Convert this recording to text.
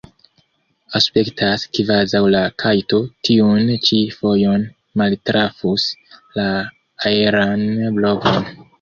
Aspektas, kvazaŭ la kajto tiun ĉi fojon maltrafus la aeran blovon.